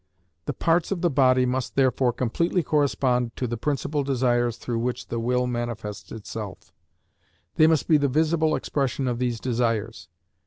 The parts of the body must, therefore, completely correspond to the principal desires through which the will manifests itself; they must be the visible expression of these desires.